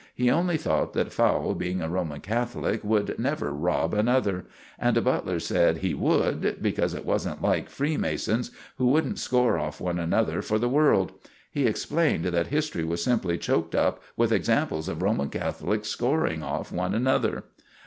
He only thought that Fowle, being a Roman Catholic, would never rob another; and Butler said he would, because it wasn't like Freemasons, who wouldn't score off one another for the world. He explained that history was simply choked up with examples of Roman Catholics scoring off one another.